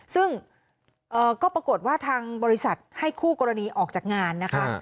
ซึ่งก็ปรากฏว่าทางบริษัทให้คู่กรณีออกจากงานนะคะ